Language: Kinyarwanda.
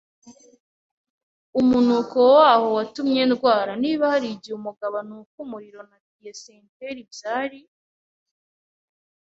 umunuko waho watumye ndwara; niba harigihe umugabo anuka umuriro na dysentery, byari